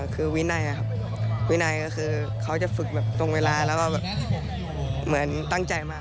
คือวินายวินายเขาจะฝึกตรงเวลาแล้วเหมือนตั้งใจมาก